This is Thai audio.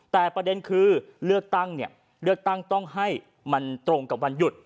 แต่ประเด็นคือเลือกตั้งต้องให้มันตรงกับวันหยุด